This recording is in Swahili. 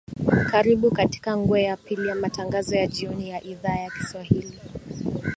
karibu katika ngwe ya pili ya matangazo ya jioni ya idhaa ya kiswahili